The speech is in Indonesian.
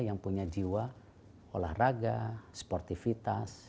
yang punya jiwa olahraga sportivitas